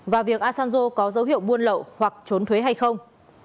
và việc asanjo có dấu hiệu buôn lậu hoặc trốn thuế hay không